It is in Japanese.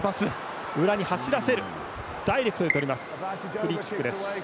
フリーキックです。